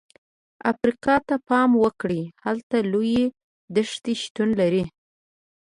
افریقا ته پام وکړئ، هلته لویې دښتې شتون لري.